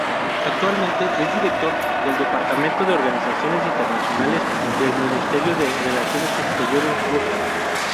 Actualmente es director del Departamento de Organizaciones Internacionales del Ministerio de Relaciones Exteriores ruso.